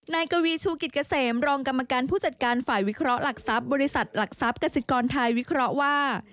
กวีชูกิจเกษมรองกรรมการผู้จัดการฝ่ายวิเคราะห์หลักทรัพย์บริษัทหลักทรัพย์กษิกรไทยวิเคราะห์ว่า